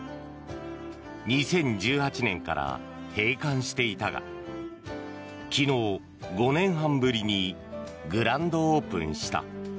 ２０１８年から閉館していたが昨日、５年半ぶりにグランドオープンした。